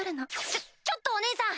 ちょちょっとお姉さん！